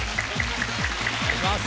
お願いします。